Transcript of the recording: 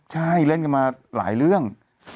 ใช่เล่นกันมาหลายเรื่อง